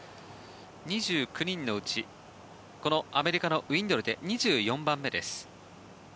２９人のうちアメリカのウィンドルで２４番目です。